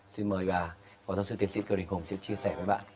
xin mời phó giáo sư tiến sĩ kiều đình hùng chia sẻ với bạn